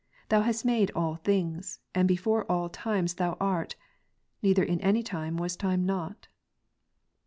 Thou hast made all things ; and before all times Thou art : neither in any time was time not.